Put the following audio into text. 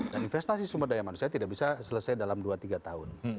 dan investasi sumber daya manusia tidak bisa selesai dalam dua tiga tahun